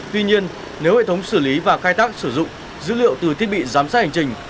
tuy nhiên nếu hệ thống xử lý và khai tác sử dụng dữ liệu từ thiết bị giám sát hành trình